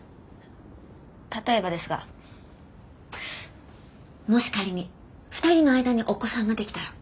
例えばですがもし仮に２人の間にお子さんができたら。